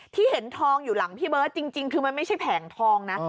ที่เห็นทองอยู่หลังพี่เบิร์ตจริงคือมันไม่ใช่แผงทองนะ